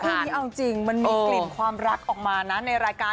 เรื่องนี้เอาจริงมันมีกลิ่นความรักออกมานะในรายการ